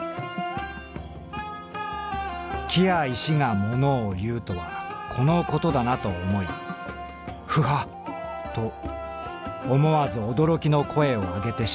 「木や石がものを言うとはこのことだなと思い『フハッ』と思わず驚きの声を上げてしまった」。